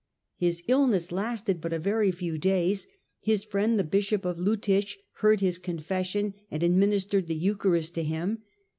His illness lasted but a very few days ; his friend the bishop of Ltittich heard his confession, and admi nistered the Eucharist to him.